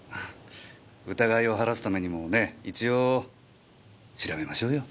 疑いを晴らすためにもね一応調べましょうよ。